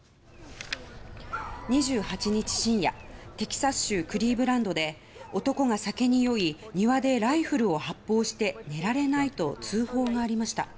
２８日深夜テキサス州クリーブランドで男が酒に酔い庭でライフルを発砲して寝られないと通報がありました。